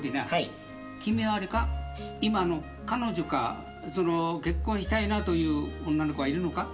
今彼女かその結婚したいなという女の子はいるのか？